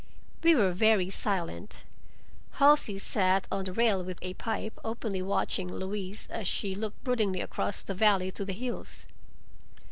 We were very silent. Halsey sat on the rail with a pipe, openly watching Louise, as she looked broodingly across the valley to the hills.